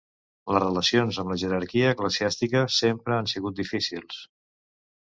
Les relacions amb la jerarquia eclesiàstica sempre han sigut difícils.